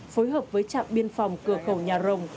phối hợp với trạm biên phòng cửa khẩu nhà rồng